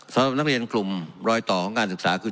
สำหรับนักเรียนกลุ่มรอยต่อของการศึกษาคือ